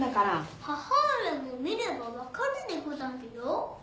母上も見れば分かるでござるよ。